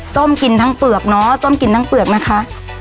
ซ่อมกลิ่นทั้งเปลือกเนาะซ่อมกลิ่นทั้งเปลือกนะคะ